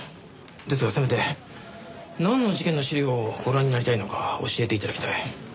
ですがせめてなんの事件の資料をご覧になりたいのか教えて頂きたい。